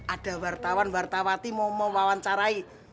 ada wartawan wartawati mau mewawancarai